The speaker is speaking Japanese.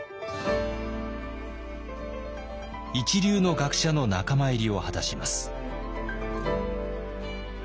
一流の学者の仲間入りを果たします。